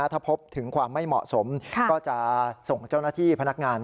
ถ้าพบถึงความไม่เหมาะสมก็จะส่งเจ้าหน้าที่พนักงาน